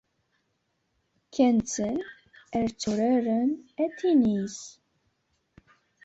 Kkan-tt-nn ar tturaren atinis.